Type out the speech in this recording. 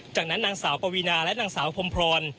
จากนั้นนางสาวปวีนาและนางสาวพรมพร